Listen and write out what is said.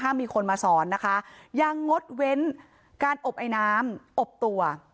ถ้ามีคนมาสอนนะคะยังงดเว้นการอบไอน้ำอบตัว